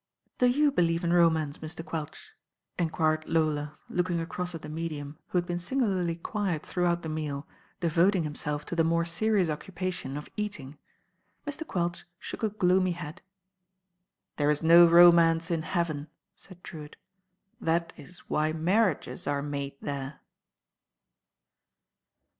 "Do you believe in romance, Mr. Quelch?" en quired Lola, looking across at the medium, who had been singularly quiet throughout the meal, devoting 284 THE RAIN OIRL himself to the more serious occupation of eating. Mr. Quelch shook a gloomy head. "There is no romance in heaven," said I^rewitt. "That is why marriages are made there."